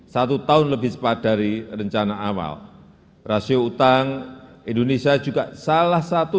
satu tahun lebih cepat dari rencana awal rasio utang indonesia juga salah satu